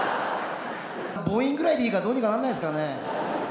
ぼ印ぐらいでいいから、どうにかならないですかね。